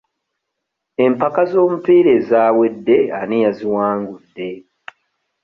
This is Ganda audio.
Empaka z'omupiira ezaawedde ani yaziwangudde?